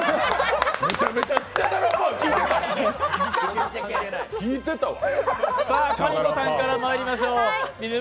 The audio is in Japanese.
めちゃめちゃスチャダラパー聴いてたわ。